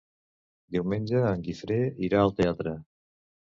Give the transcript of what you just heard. Diumenge en Guifré irà al teatre.